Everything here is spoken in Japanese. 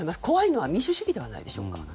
怖いのは民主主義ではないでしょうか。